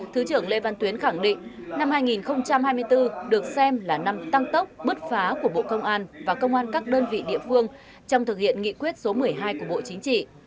thứ trưởng lê văn tuyến khẳng định năm hai nghìn hai mươi bốn được xem là năm tăng tốc bứt phá của bộ công an và công an các đơn vị địa phương trong thực hiện nghị quyết số một mươi hai của bộ chính trị